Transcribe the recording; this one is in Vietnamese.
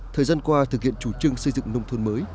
thời gian qua thực hiện chủ trương xây dựng nông thôn mới